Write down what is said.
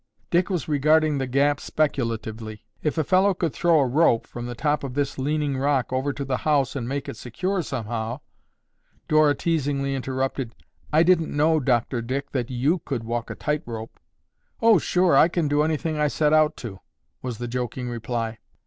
Dick was regarding the gap speculatively. "If a fellow could throw a rope from the top of this leaning rock over to the house and make it secure somehow—" Dora teasingly interrupted, "I didn't know, Doctor Dick, that you could walk a tight rope." "Oh sure, I can do anything I set out to!" was the joking reply.